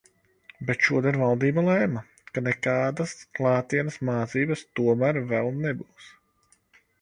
Bet šodien valdība lēma, ka nekādas klātienes mācības tomēr vēl nebūs.